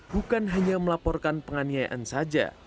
bukan hanya melaporkan penganiayaan saja